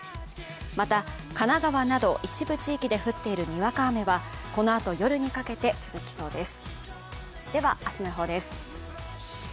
また、神奈川など一部地域で降っているにわか雨はこのあと夜にかけて続きそうです。